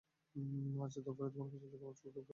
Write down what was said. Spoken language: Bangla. আজ দুপুরে তোমার পছন্দের খাবার, ফুলকপির পরোটা খেয়েছিলাম।